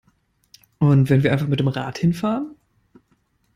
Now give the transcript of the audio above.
Und wenn wir einfach mit dem Rad hinfahren?